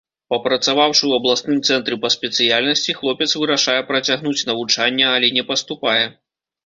Папрацаваўшы ў абласным цэнтры па спецыяльнасці, хлопец вырашае працягнуць навучанне, але не паступае.